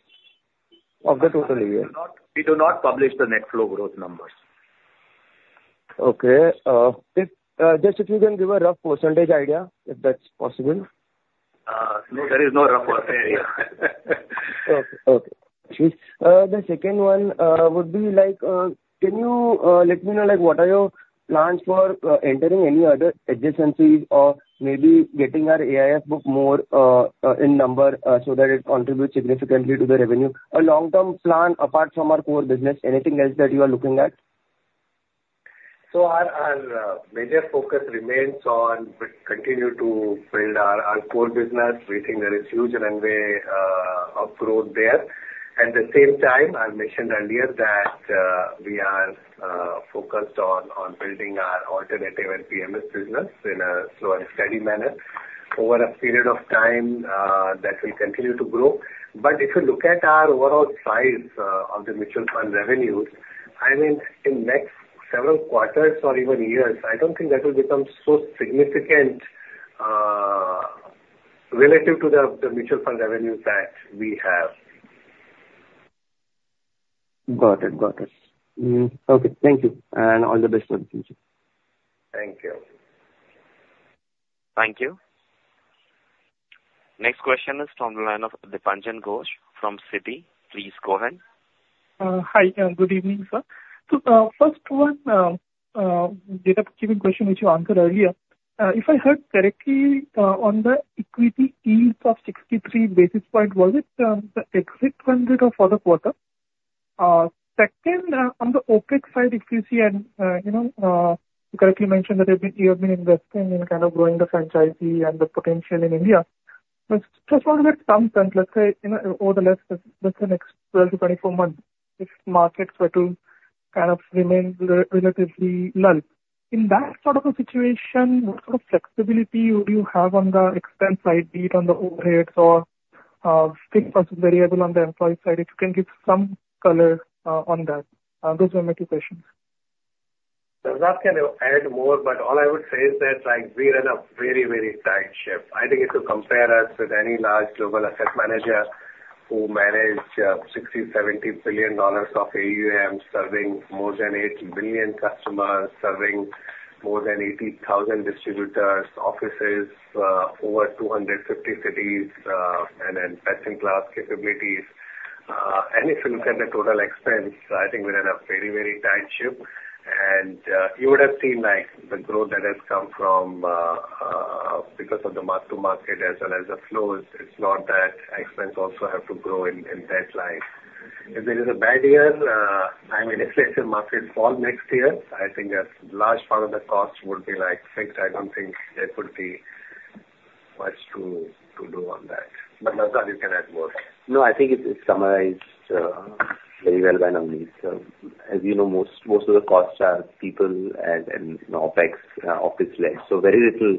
of the total AUM? We do not, we do not publish the net flow growth numbers. Okay. If, just if you can give a rough percentage idea, if that's possible. No, there is no rough percentage idea. Okay. Okay. The second one would be like, can you let me know, like, what are your plans for entering any other adjacencies or maybe getting our AIF book more in number, so that it contributes significantly to the revenue? A long-term plan apart from our core business, anything else that you are looking at? So our major focus remains on continue to build our core business. We think there is huge runway of growth there. At the same time, I mentioned earlier that we are focused on building our alternative and PMS business in a slow and steady manner. Over a period of time, that will continue to grow. But if you look at our overall size of the mutual fund revenues, I mean, in next several quarters or even years, I don't think that will become so significant relative to the mutual fund revenues that we have. Got it, got it. Okay, thank you, and all the best for the future. Thank you. Thank you. Next question is from the line of Dipanjan Ghosh from Citi. Please go ahead. Hi, and good evening, sir. So, first one, bookkeeping question which you answered earlier. If I heard correctly, on the equity yield of 63 basis points, was it, the exit load or for the quarter? Second, on the OpEx side, if you see and, you know, you correctly mentioned that you have been investing in kind of growing the franchise and the potential in India. But just wanted to get some sense, let's say, you know, over the next, let's say next 12-24 months, if markets were to kind of remain relatively lull. In that sort of a situation, what sort of flexibility would you have on the expense side, be it on the overheads or, fixed versus variable on the employee side? If you can give some color, on that. Those are my two questions. So Naozad can add more, but all I would say is that, like, we run a very, very tight ship. I think if you compare us with any large global asset manager who manage $60-$70 billion of AUM, serving more than 8 million customers, serving more than 80,000 distributors, offices over 250 cities, and then best-in-class capabilities, and if you look at the total expense, I think we run a very, very tight ship. And you would have seen, like, the growth that has come from because of the mark-to-market as well as the flows. It's not that expense also have to grow in that line. If there is a bad year, I mean, if let's say market fall next year, I think a large part of the cost would be, like, fixed. I don't think there could be much to do on that. But Naozad, you can add more. No, I think it, it summarized very well by Navneet. So, as you know, most, most of the costs are people and, and, you know, OpEx, office lease, so very little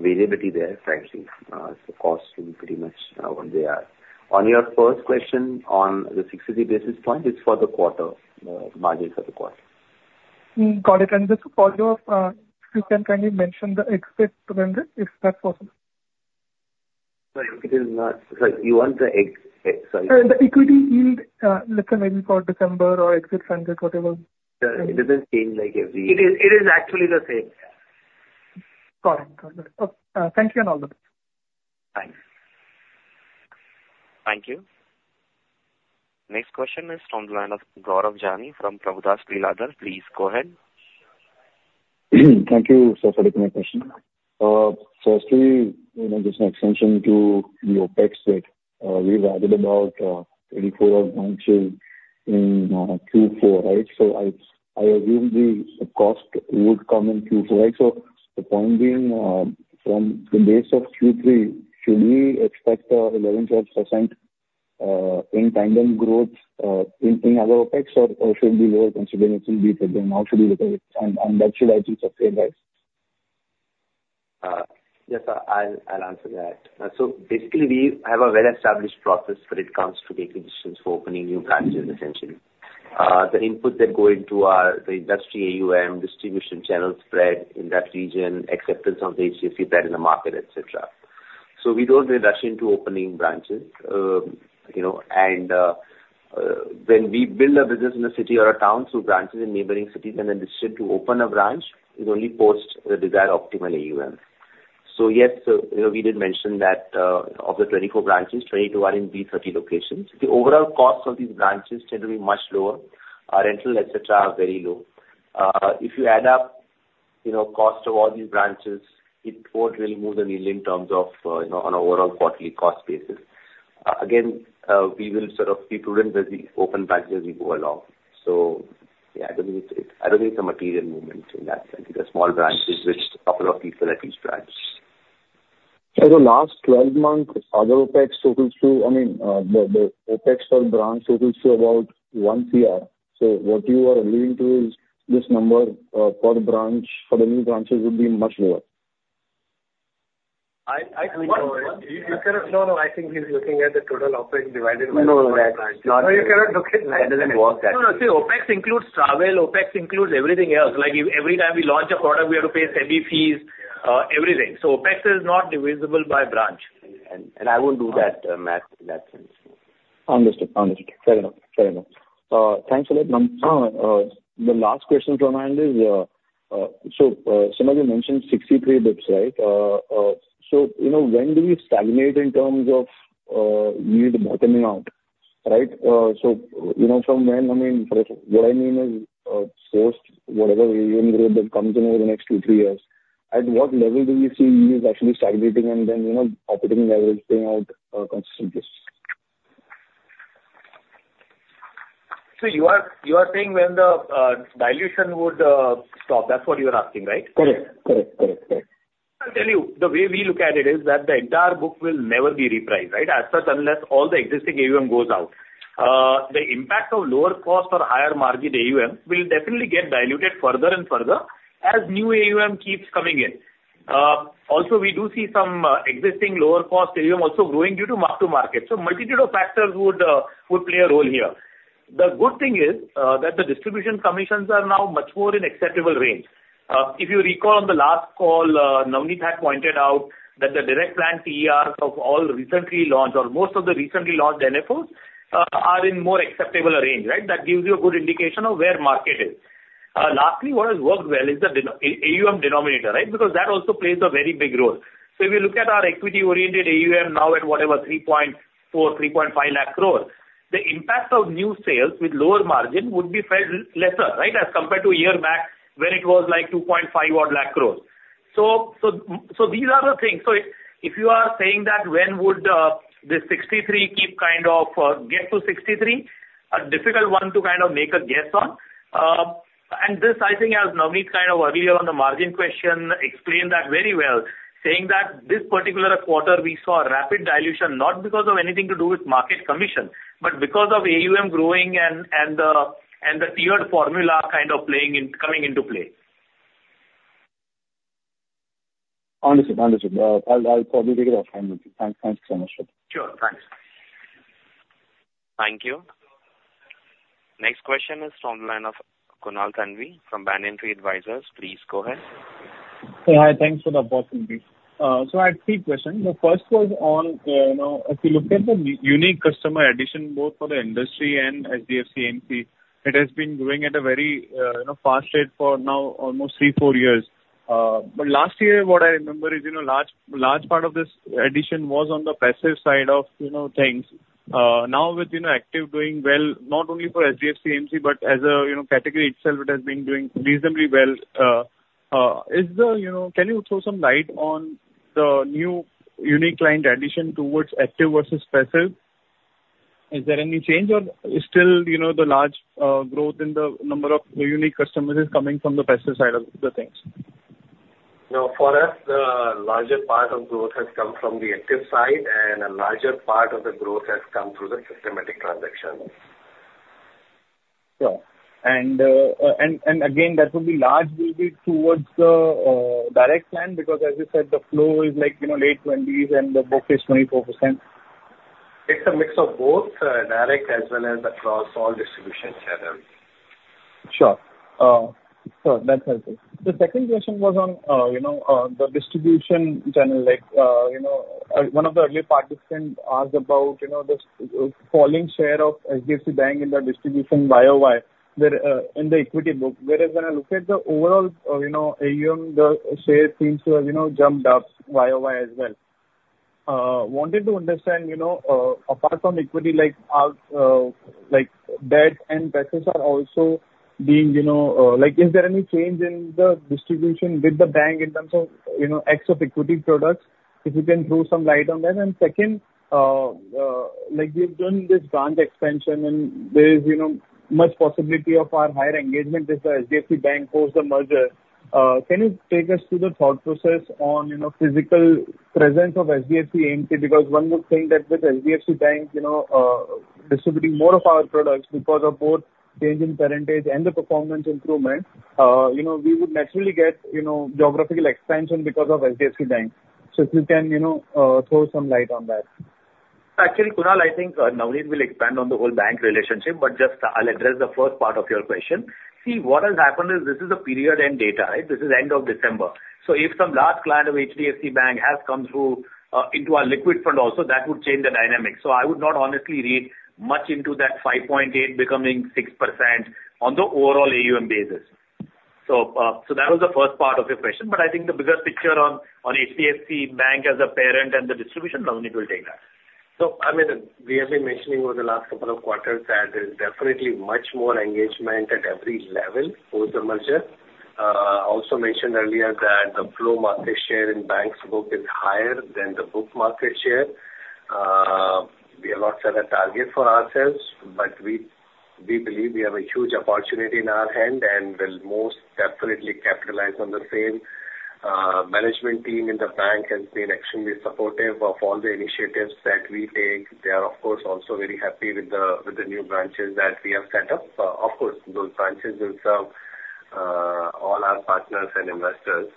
variability there, frankly. So costs will be pretty much what they are. On your first question, on the 60 basis point, it's for the quarter, margins for the quarter. Got it. Just to follow up, if you can kindly mention the exit trend, if that's possible. No, it is not. Sorry, you want the exit, sorry? The equity yield, let's say maybe for December or exit funded, whatever. It doesn't change, like, every- It is, it is actually the same. Got it. Got it. Okay, thank you and all the best. Thanks. Thank you. Next question is from the line of Gaurav Jani from Prabhudas Lilladher. Please go ahead. Thank you, sir, for taking my question. Firstly, you know, just an extension to the OpEx bit. We've added about 24 branches in Q4, right? So I assume the cost would come in Q4, right? So the point being, from the base of Q3, should we expect 11, 12% in tandem growth in our OpEx, or should we lower considering it will be present? How should we look at it, and actually I think of paying that? Yes, I'll, I'll answer that. So basically, we have a well-established process when it comes to the acquisitions for opening new branches, essentially. The inputs that go into are the industry AUM, distribution channel spread in that region, acceptance of the HDFC brand in the market, et cetera. So we don't rush into opening branches. You know, and when we build a business in a city or a town, so branches in neighboring cities, and then decide to open a branch, is only post the desired optimal AUM. So yes, you know, we did mention that, of the 24 branches, 22 are in these 30 locations. The overall costs of these branches tend to be much lower. Our rental, et cetera, are very low. If you add up, you know, cost of all these branches, it won't really move the needle in terms of, you know, on an overall quarterly cost basis. Again, we will sort of be prudent as we open branches as we go along. So yeah, I don't think it's, I don't think it's a material movement in that sense. It's small branches with couple of people at each branch. The last 12 months, other OpEx totals to... I mean, the OpEx per branch totals to about 1 crore. So what you are alluding to is this number, per branch, for the new branches would be much lower. I think- You cannot... No, no, I think he's looking at the total OpEx divided by- No, no, that's not- No, you cannot look at that. That doesn't work that way. No, no, see, OpEx includes travel, OpEx includes everything else. Like, every time we launch a product, we have to pay SEBI fees, everything. So OpEx is not divisible by branch. And I won't do that math in that sense. Understood. Understood. Fair enough. Fair enough. Thanks a lot. The last question from my end is, so, Sumit, you mentioned 63 basis points, right? So, you know, when do we stagnate in terms of, yield bottoming out, right? So, you know, from when, I mean, what I mean is, post whatever AUM growth that comes in over the next two, three years, at what level do you see yield actually stagnating and then, you know, operating leverage paying out, consistently? You are saying when the dilution would stop, that's what you are asking, right? Correct. Correct, correct, correct. I'll tell you, the way we look at it is that the entire book will never be repriced, right? As such, unless all the existing AUM goes out. The impact of lower cost or higher margin AUM will definitely get diluted further and further as new AUM keeps coming in. Also, we do see some existing lower cost AUM also growing due to mark-to-market. So multitude of factors would play a role here. The good thing is that the distribution commissions are now much more in acceptable range. If you recall on the last call, Navneet had pointed out that the direct plan TERs of all recently launched or most of the recently launched NFOs are in more acceptable range, right? That gives you a good indication of where market is. Lastly, what has worked well is the AUM denominator, right? Because that also plays a very big role. So if you look at our equity-oriented AUM now at whatever 340,000 crore-350,000 crore, the impact of new sales with lower margin would be felt lesser, right? As compared to a year back when it was like 2.5 odd lakh crores. So these are the things. So if you are saying that when would this 63 keep kind of get to 63? A difficult one to kind of make a guess on. And this, I think, as Navneet kind of earlier on the margin question explained that very well, saying that this particular quarter we saw rapid dilution, not because of anything to do with market commission, but because of AUM growing and the tiered formula kind of playing in, coming into play. Understood, understood. I'll, I'll probably take it up with him. Thanks, thanks so much. Sure. Thanks. Thank you. Next question is from the line of Kunal Thanvi from Banyan Tree Advisors. Please go ahead. Hi, thanks for the opportunity. So I had three questions. The first was on, you know, if you look at the unique customer addition, both for the industry and HDFC AMC, it has been growing at a very, you know, fast rate for now almost 3-4 years. But last year, what I remember is, you know, large, large part of this addition was on the passive side of, you know, things. Now, with, you know, active doing well, not only for HDFC AMC, but as a, you know, category itself, it has been doing reasonably well. Is the, you know... Can you throw some light on the new unique client addition towards active versus passive? Is there any change or is still, you know, the large growth in the number of unique customers is coming from the passive side of the things? No, for us, the larger part of growth has come from the active side, and a larger part of the growth has come through the systematic transactions. Sure. And again, that would largely be towards the direct plan, because as you said, the flow is like, you know, late 20s and the book is 24%. It's a mix of both, direct as well as across all distribution channels. Sure. So that's helpful. The second question was on, you know, on the distribution channel. Like, you know, one of the early participants asked about, you know, this, falling share of HDFC Bank in the distribution YOY, where, in the equity book. Whereas when I look at the overall, you know, AUM, the share seems to have, you know, jumped up YOY as well. Wanted to understand, you know, apart from equity, like, like, debt and deposits are also being, you know... Like, is there any change in the distribution with the bank in terms of, you know, ex of equity products? If you can throw some light on that. And second, like, we've done this branch expansion and there is, you know, much possibility of our higher engagement with the HDFC Bank post the merger. Can you take us through the thought process on, you know, physical presence of HDFC AMC? Because one would think that with HDFC Bank, you know, distributing more of our products because of both change in parentage and the performance improvement, you know, we would naturally get, you know, geographical expansion because of HDFC Bank. So if you can, you know, throw some light on that. Actually, Kunal, I think, Navneet will expand on the whole bank relationship, but just I'll address the first part of your question. See, what has happened is this is a period-end data, right? This is end of December. So if some large client of HDFC Bank has come through, into our liquid fund also, that would change the dynamic. So I would not honestly read much into that 5.8 becoming 6% on the overall AUM basis. So, so that was the first part of your question, but I think the bigger picture on, on HDFC Bank as a parent and the distribution, Navneet will take that. I mean, we have been mentioning over the last couple of quarters that there's definitely much more engagement at every level post the merger. I also mentioned earlier that the flow market share in bank's book is higher than the book market share. We have not set a target for ourselves, but we, we believe we have a huge opportunity in our hand and will most definitely capitalize on the same. Management team in the bank has been extremely supportive of all the initiatives that we take. They are, of course, also very happy with the, with the new branches that we have set up. Of course, those branches will serve all our partners and investors.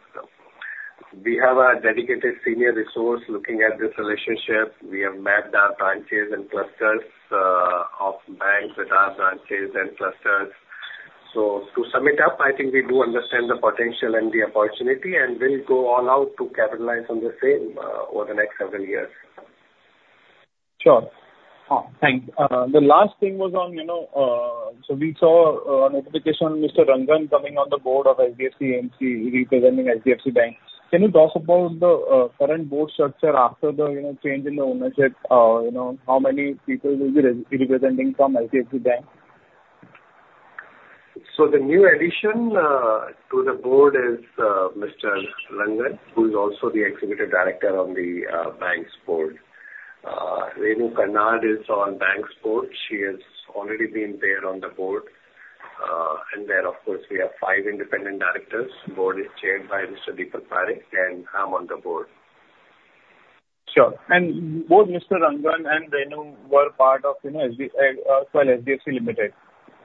We have a dedicated senior resource looking at this relationship. We have mapped our branches and clusters of banks with our branches and clusters. So to sum it up, I think we do understand the potential and the opportunity, and we'll go all out to capitalize on the same, over the next several years. Sure. Thanks. The last thing was on, you know, so we saw notification on Mr. Rangan coming on the board of HDFC AMC representing HDFC Bank. Can you talk about the current board structure after the, you know, change in the ownership? You know, how many people will be representing from HDFC Bank? So the new addition to the board is Mr. Rangan, who is also the Executive Director on the bank's board. Renu Karnad is on bank's board. She has already been there on the board. And then, of course, we have five independent directors. Board is chaired by Mr. Deepak Parekh, and I'm on the board. Sure. And both Mr. Rangan and Renu were part of, you know, well, HDFC Limited.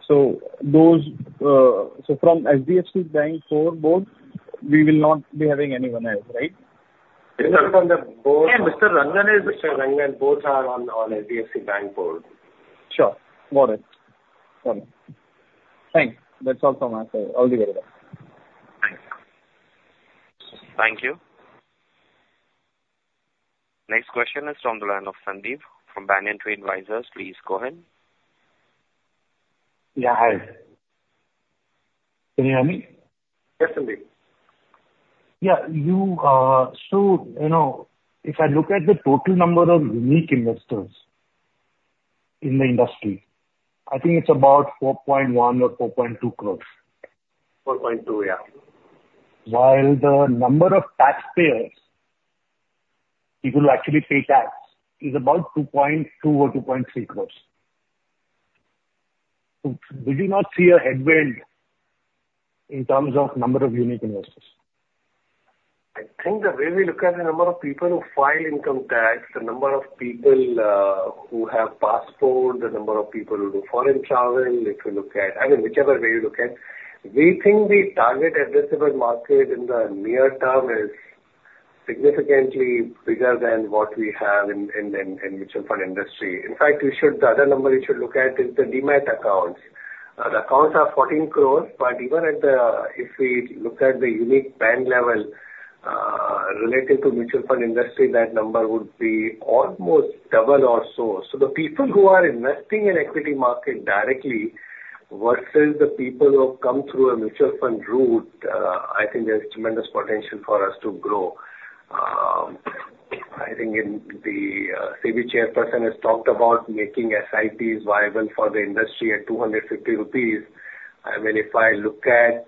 So those, So from HDFC Bank core board, we will not be having anyone else, right?... Mr. Rangan is- Mr. Rangan, both are on HDFC Bank Board. Sure. Got it. Got it. Thanks. That's all from us. I'll leave it at that. Thanks. Thank you. Next question is on the line of Sandeep from Banyan Tree Advisors. Please go ahead. Yeah, hi. Can you hear me? Yes, Sandeep. Yeah, you, so you know, if I look at the total number of unique investors in the industry, I think it's about 4.1 or 4.2 crores. 4.2, yeah. While the number of taxpayers, people who actually pay tax, is about 2.2 or 2.3 crores. So do you not see a headwind in terms of number of unique investors? I think the way we look at the number of people who file income tax, the number of people who have passport, the number of people who do foreign travel, if you look at... I mean, whichever way you look at, we think the target addressable market in the near term is significantly bigger than what we have in mutual fund industry. In fact, you should, the other number you should look at is the Demat accounts. The accounts are 14 crores, but even at the, if we look at the unique PAN level related to mutual fund industry, that number would be almost double or so. So the people who are investing in equity market directly versus the people who have come through a mutual fund route, I think there's tremendous potential for us to grow. I think in the SEBI chairperson has talked about making SIPs viable for the industry at 250 rupees. I mean, if I look at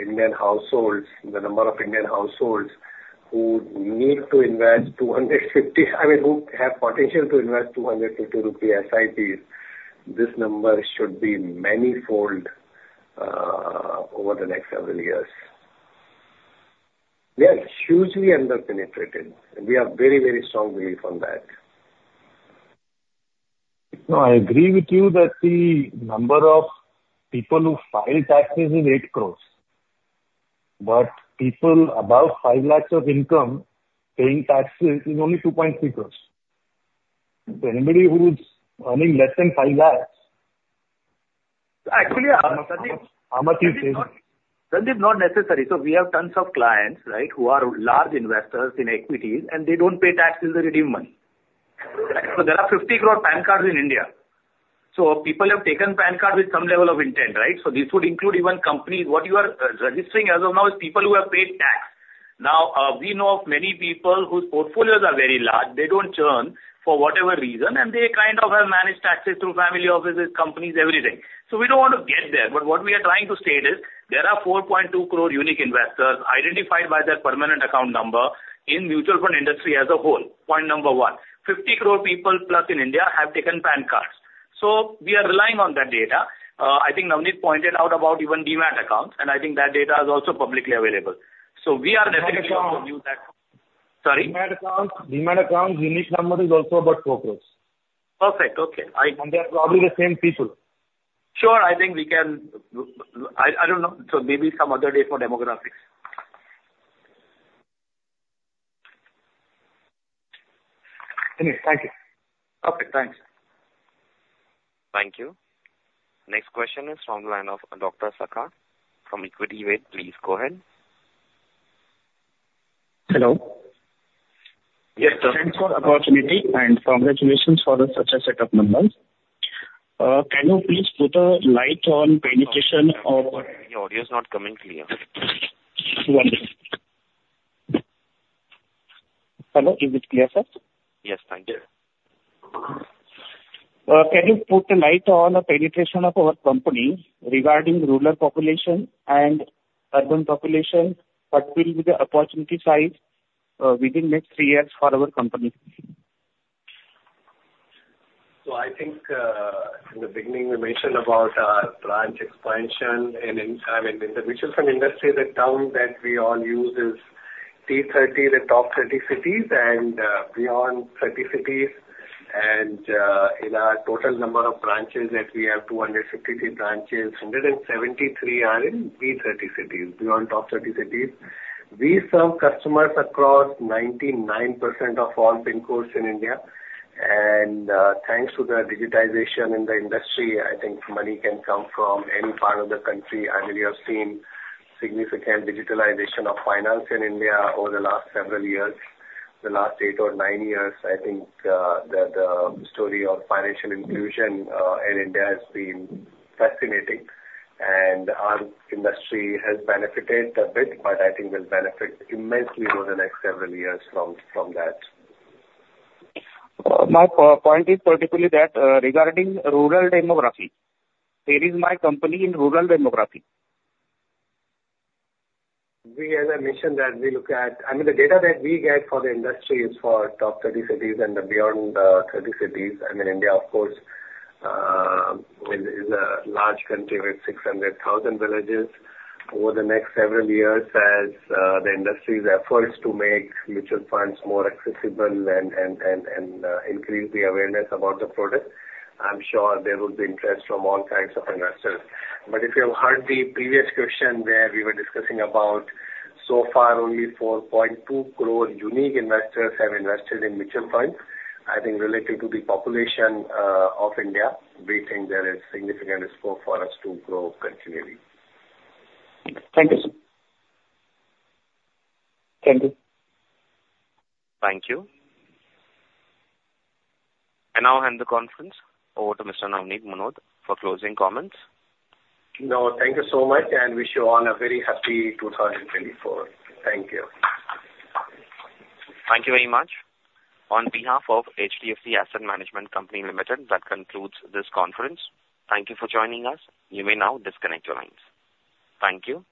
Indian households, the number of Indian households who need to invest 250, I mean, who have potential to invest 250 rupee SIPs, this number should be manifold over the next several years. We are hugely under-penetrated, and we are very, very strongly on that. No, I agree with you that the number of people who file taxes is 8 crore, but people above 5 lakh of income paying taxes is only 2.3 crore. So anybody who's earning less than 5 lakh- Actually, Sandeep- How much you pay? Sandeep, not necessary. So we have tons of clients, right? Who are large investors in equities, and they don't pay tax till they redeem money. So there are 50 crore PAN cards in India. So people have taken PAN card with some level of intent, right? So this would include even companies. What you are registering as of now is people who have paid tax. Now, we know of many people whose portfolios are very large. They don't churn for whatever reason, and they kind of have managed taxes through family offices, companies, everything. So we don't want to get there, but what we are trying to state is there are 4.2 crore unique investors identified by their permanent account number in mutual fund industry as a whole. Point number one, 50 crore people plus in India have taken PAN cards, so we are relying on that data. I think Navneet pointed out about even Demat accounts, and I think that data is also publicly available. So we are definitely going to use that. Sorry? Demat accounts, Demat accounts, unique number is also about 4 crores. Perfect. Okay. They're probably the same people. Sure. I think we can... I don't know. So maybe some other day for demographics. Anyway, thank you. Okay, thanks. Thank you. Next question is from the line of Dr. Sakar from Equityway. Please go ahead. Hello. Yes, sir. Thanks for the opportunity and congratulations for the such a set of numbers. Can you please put a light on penetration of- Your audio is not coming clear. One minute. Hello, is it clear, sir? Yes, thank you. Can you put a light on the penetration of our company regarding rural population and urban population? What will be the opportunity size within next three years for our company? So I think, in the beginning, we mentioned about our branch expansion. I mean, in the mutual fund industry, the term that we all use is T30, the top 30 cities and beyond 30 cities. In our total number of branches that we have, 253 branches, 173 are in B30 cities, beyond top 30 cities. We serve customers across 99% of all PIN codes in India. Thanks to the digitization in the industry, I think money can come from any part of the country. I mean, we have seen significant digitization of finance in India over the last several years. The last eight or nine years, I think, the story of financial inclusion in India has been fascinating, and our industry has benefited a bit, but I think will benefit immensely over the next several years from that. My point is particularly that, regarding rural demography, where is my company in rural demography? As I mentioned that we look at... I mean, the data that we get for the industry is for top 30 cities and beyond the 30 cities. I mean, India, of course, is a large country with 600,000 villages. Over the next several years, as the industry's efforts to make mutual funds more accessible and increase the awareness about the product, I'm sure there will be interest from all kinds of investors. But if you have heard the previous question, where we were discussing about so far, only 4.2 crore unique investors have invested in mutual funds. I think relative to the population of India, we think there is significant scope for us to grow continually. Thank you, sir. Thank you. Thank you. I now hand the conference over to Mr. Navneet Munot for closing comments. No, thank you so much, and wish you all a very happy 2024. Thank you. Thank you very much. On behalf of HDFC Asset Management Company, Limited, that concludes this conference. Thank you for joining us. You may now disconnect your lines. Thank you.